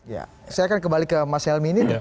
ya saya akan kembali ke mas helmy ini